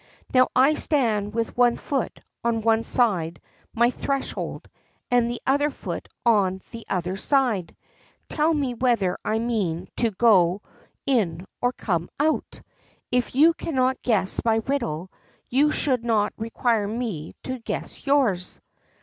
Now I stand with one foot on one side my threshold and the other foot on the other side; tell me whether I mean to go in or come out. If you cannot guess my riddle, you should not require me to guess yours."